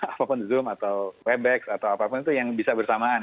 apapun zoom atau webex atau apapun itu yang bisa bersamaan